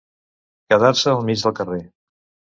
Quedar-se al mig del carrer.